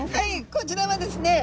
こちらはですね